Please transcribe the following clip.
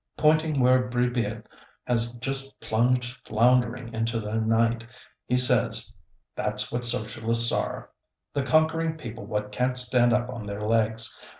Pointing where Brisbille has just plunged floundering into the night, he says, "That's what Socialists are, the conquering people what can't stand up on their legs!